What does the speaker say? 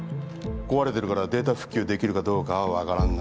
壊れてるからデータ復旧できるかどうかは分からんが。